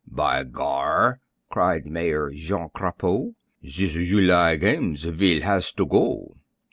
"By gar!" cried Mayor Jean Crapaud, "Zis July games vill has to go!"